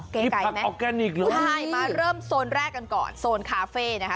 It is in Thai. ไกลมั้ยใช่มาเริ่มโซนแรกกันก่อนโซนคาเฟ่นะคะ